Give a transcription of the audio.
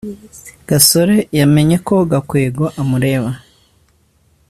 gasore yamenye ko gakwego amureba